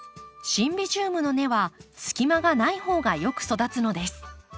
シンビジウムの根は隙間がない方がよく育つのです。